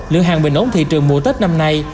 lượng hàng bình ổn thị trường mùa tết năm nay